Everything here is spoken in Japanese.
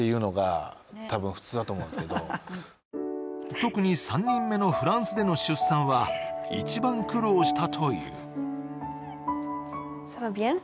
特に３人目のフランスでの出産は一番苦労したという。